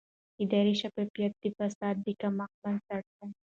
اداري شفافیت د فساد د کمښت بنسټ دی